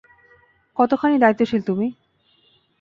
কতখানি দায়িত্বশীল তুমি।